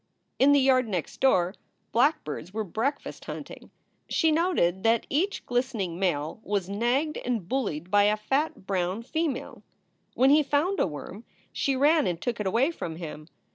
In the yard next door blackbirds were breakfast hunting. She noted that each glistening male was nagged and bullied by a fat brown female. When he found a worm she ran and took it away from him.